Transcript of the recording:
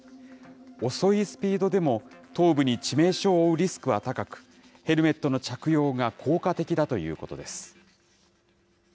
遅いスピードでも頭部に致命傷を負うリスクは高く、ヘルメットの着用が効果的だということです。